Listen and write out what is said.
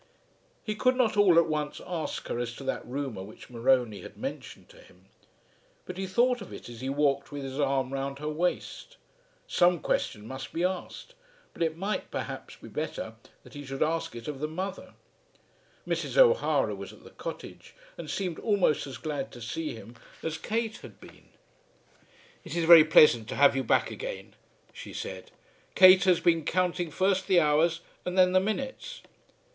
He could not all at once ask her as to that rumour which Morony had mentioned to him. But he thought of it as he walked with his arm round her waist. Some question must be asked, but it might, perhaps, be better that he should ask it of the mother. Mrs. O'Hara was at the cottage and seemed almost as glad to see him as Kate had been. "It is very pleasant to have you back again," she said. "Kate has been counting first the hours, and then the minutes."